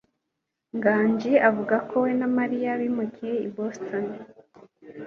Nganji avuga ko we na Mariya bimukiye i Boston.